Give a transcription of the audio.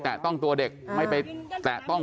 เพื่อนบ้านเจ้าหน้าที่อำรวจกู้ภัย